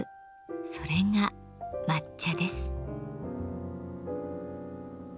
それが「抹茶」です。